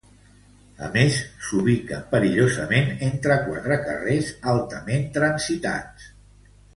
A més, s'ubica perillosament entre quatre carrers altament transitats.